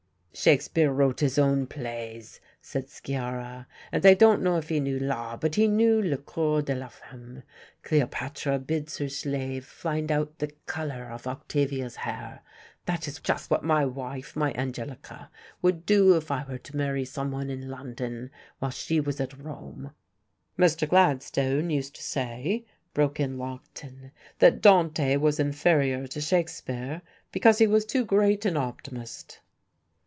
"Shakespeare wrote his own plays," said Sciarra, "and I don't know if he knew law, but he knew le coeur de la femme. Cleopatra bids her slave find out the colour of Octavia's hair; that is just what my wife, my Angelica, would do if I were to marry some one in London while she was at Rome." "Mr. Gladstone used to say," broke in Lockton, "that Dante was inferior to Shakespeare, because he was too great an optimist."